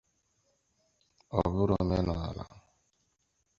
ọ bụrụ omenala